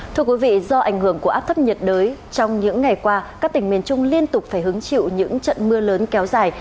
thưa quý vị do ảnh hưởng của áp thấp nhiệt đới trong những ngày qua các tỉnh miền trung liên tục phải hứng chịu những trận mưa lớn kéo dài